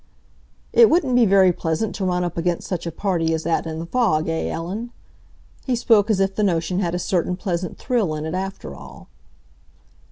"It wouldn't be very pleasant to run up against such a party as that in the fog, eh, Ellen?" He spoke as if the notion had a certain pleasant thrill in it after all.